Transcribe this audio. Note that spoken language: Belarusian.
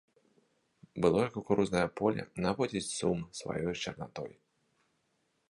Былое кукурузнае поле наводзіць сум сваёй чарнатой.